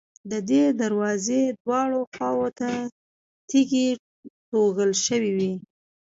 د دې دروازې دواړو خواوو ته تیږې توږل شوې وې.